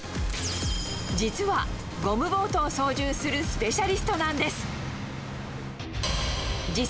実は、ゴムボートを操縦するスペシャリストなんです。